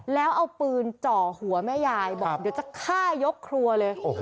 แล้วเอาปืนจ่อหัวแม่ยายบอกเดี๋ยวจะฆ่ายกครัวเลย